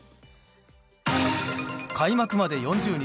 開幕まで４０日。